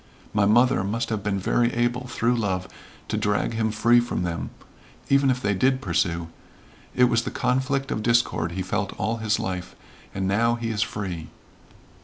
My mother must have been very able through love to drag him free from them, even if they did pursue. It was the conflict of discord he felt all his life, and now he is free."